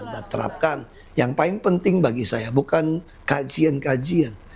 nah terapkan yang paling penting bagi saya bukan kajian kajian